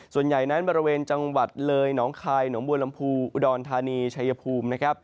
ส่วนใหญ่นั้นบริเวณจังหวัดเลยหนองคายหนองบัวลำพูอุดรธานีชัยภูมินะครับ